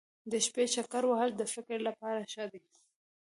د شپې چکر وهل د فکر لپاره ښه دي.